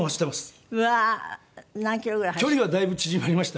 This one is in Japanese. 距離はだいぶ縮まりました。